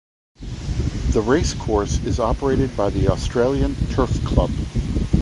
The racecourse is operated by the Australian Turf Club.